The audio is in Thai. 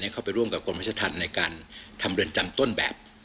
เข้าไปร่วมกับกรมราชธรรมในการทำเรือนจำต้นแบบ